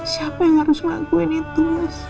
siapa yang harus ngelakuin itu mas